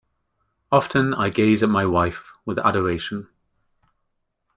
Often I gaze at my wife with adoration.